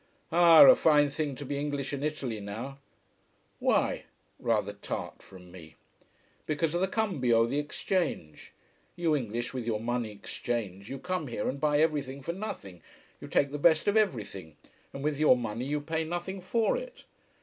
Ah, a fine thing to be English in Italy now. Why? rather tart from me. Because of the cambio, the exchange. You English, with your money exchange, you come here and buy everything for nothing, you take the best of everything, and with your money you pay nothing for it.